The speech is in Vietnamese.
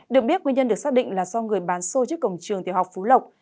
được biết nguyên nhân được xác định là do người bán xôi trước cổng trường tiểu học phú lộc